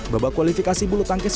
babak kualifikasi bulu tangkis